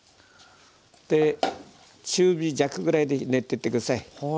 中火弱ぐらいで練ってって下さい。